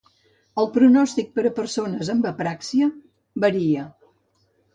El pronòstic per a persones amb apràxia varia.